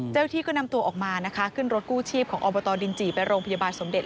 เจ้าที่ก็นำตัวออกมานะคะขึ้นรถกู้ชีพของอบตดินจีไปโรงพยาบาลสมเด็จ